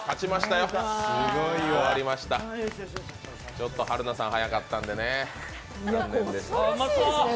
ちょっと春菜さん早かったんでね、残念でした。